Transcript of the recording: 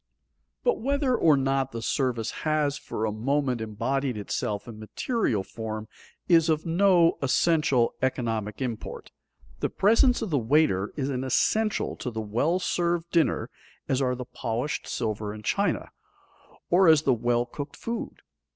But whether or not the service has for a moment embodied itself in material form is of no essential economic import. The presence of the waiter is as essential to the well served dinner as are the polished silver and china, or as the well cooked food.